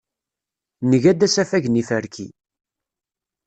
Nga-d asafag n yiferki.